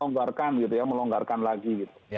bolehlah kita kemudian melonggarkan lagi